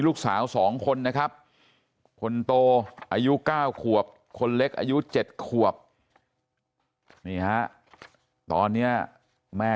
ลูกสาว๒คนนะครับคนโตอายุ๙ขวบคนเล็กอายุ๗ขวบนี่ฮะตอนนี้แม่